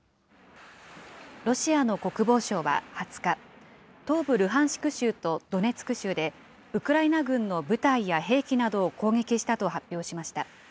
ロシアの国防省は２０日、東部ルハンシク州とドネツク州で、ウクライナ軍の部隊や兵器などを攻撃したと発表しました。